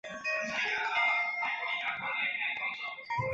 后来侯升任为主治医师。